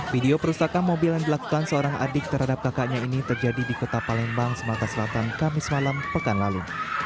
video perusakan mobil yang dilakukan seorang adik terhadap kakaknya ini terjadi di kota palembang sumatera selatan kamis malam pekan lalu